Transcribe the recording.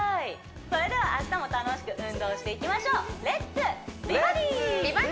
それでは明日も楽しく運動していきましょう「レッツ！美バディ」「レッツ！